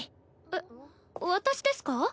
えっ私ですか？